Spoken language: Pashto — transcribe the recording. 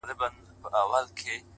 هوښیار فکر بېځایه اندېښنې کموي؛